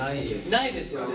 ないですよね？